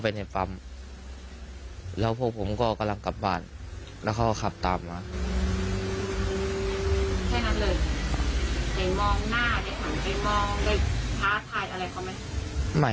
แล้วตอนไปเที่ยวเนี่ยค่ะใกล้จะมีเรื่องไปไทยบ้างไหม